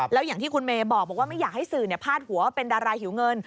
แล้วอย่างที่คุณเมย์บอกว่าไม่อยากให้สื่อพาดหัวว่าเป็นดาราหิวเงิน